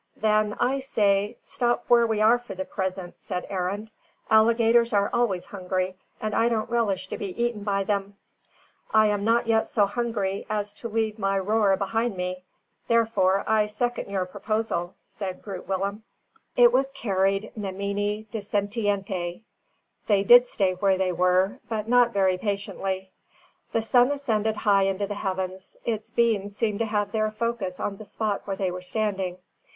"Then I say, stop where we are for the present," said Arend. "Alligators are always hungry, and I don't relish to be eaten by them." "I am not yet so hungry as to leave my roer behind me; therefore, I second your proposal," said Groot Willem. It was carried nemini dissentiente. They did stay where they were, but not very patiently. The sun ascended high into the heavens. Its beams seemed to have their focus on the spot where they were standing.